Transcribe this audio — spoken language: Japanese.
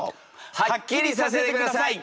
はっきりさせてください！